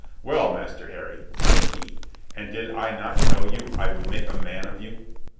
"Well, Master Harry," says he, "and did I not tell you I would make a man of you?"